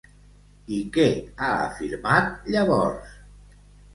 I què ha afirmat llavors?